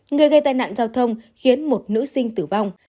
người gây tai nạn giao thông khiến một nữ sinh tử vong